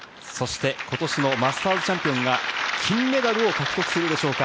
今年のマスターズチャンピオンが金メダルを獲得するでしょうか？